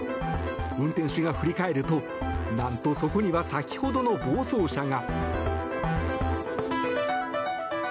運転手が振り返るとなんとそこには先ほどの暴走車が。